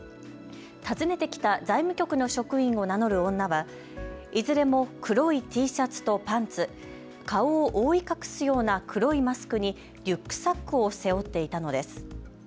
訪ねてきた財務局の職員を名乗る女はいずれも黒いＴシャツとパンツ、顔を覆い隠すような黒いマスクにリュックサックを背負っていたのです。